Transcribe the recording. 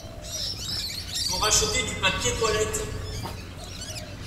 Faut racheter du papier toilette.